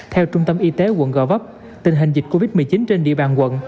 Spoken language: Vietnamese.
theo trung tâm y tế quận gò vấp tình hình dịch covid một mươi chín trên địa bàn quận